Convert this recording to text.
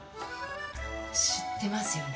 知ってますよね？